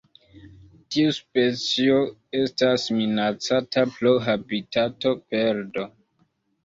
Tiu specio estas minacata pro habitatoperdo.